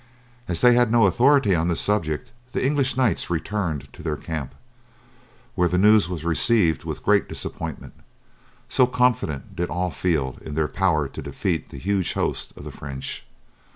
As they had no authority on this subject the English knights returned to their camp, where the news was received with great disappointment, so confident did all feel in their power to defeat the huge host of the French.